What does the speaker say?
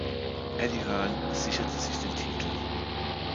Eddie Hearne sicherte sich den Titel.